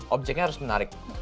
objeknya harus menarik